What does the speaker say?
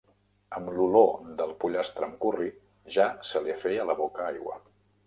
Amb l'olor del pollastre amb curri ja se li feia la boca aigua.